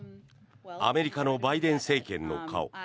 アメリカのバイデン政権の顔